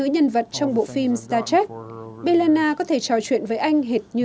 cảm ơn các bạn đã theo dõi